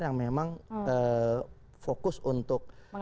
yang memang fokus untuk